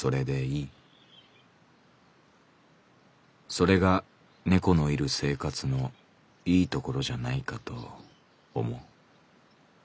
それがネコのいる生活のいいところじゃないかと思う」。